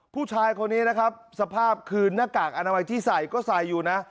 ผู้ชายคนนี้นะครับสภาพคือหน้ากากอนามัยที่ใส่ก็ใส่อยู่นะ